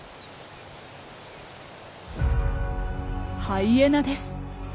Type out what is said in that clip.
ハイエナです。